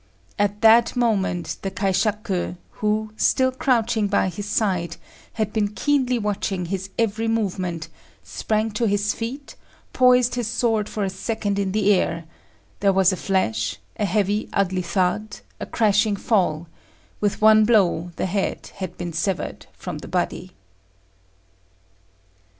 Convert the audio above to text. At that moment the kaishaku, who, still crouching by his side, had been keenly watching his every movement, sprang to his feet, poised his sword for a second in the air; there was a flash, a heavy, ugly thud, a crashing fall; with one blow the head had been severed from the body.